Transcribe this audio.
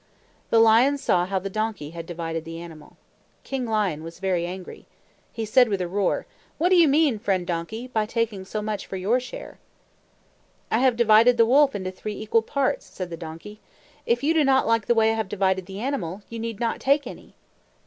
The lion saw how the donkey had divided the animal. King Lion was very angry. He said with a roar, "What do you mean, Friend Donkey, by taking so much for your share?" "I have divided the wolf into three equal parts," said the donkey. "If you do not like the way I have divided the animal, you need not take any."